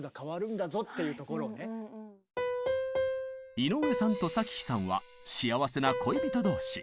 井上さんと咲妃さんは幸せな恋人同士。